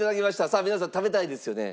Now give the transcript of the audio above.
さあ皆さん食べたいですよね？